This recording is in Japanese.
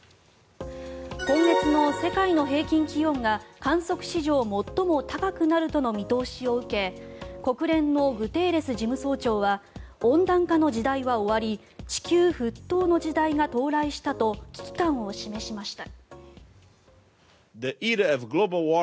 今月の世界の平均気温が観測史上最も高くなるとの見通しを受け国連のグテーレス事務総長は温暖化の時代は終わり地球沸騰の時代が到来したと危機感を示しました。